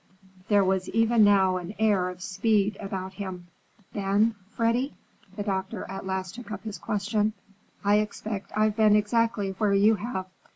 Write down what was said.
There was even now an air of speed about him. "Been, Freddy?"—the doctor at last took up his question. "I expect I've been exactly where you have.